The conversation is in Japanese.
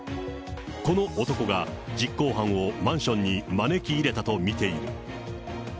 この男が実行犯をマンションに招き入れたと見ている。